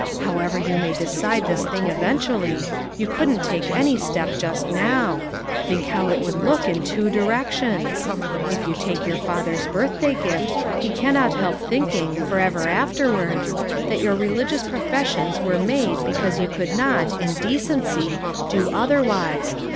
"How ever you may decide this thing eventually, you couldn't take any step just now. Think how it would look in two directions! If you take your father's birthday gift, he cannot help thinking, forever afterwards, that your reli gious professions were made because you could not, in decency, do otherwise.